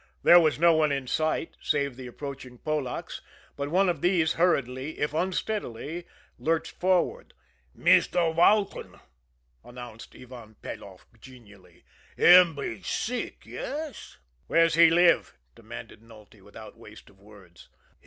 There was no one in sight, save the approaching Polacks but one of these hurriedly, if unsteadily, lurched forward. "Meester Walton!" announced Ivan Peloff genially. "Him be sick yes?" "Where's he live?" demanded Nulty, without waste of words.